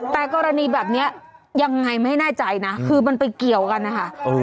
แต่กรณีแบบนี้ยังไงไม่แน่ใจนะคือมันไปเกี่ยวกันนะคะ